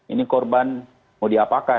ini korban mau diapakan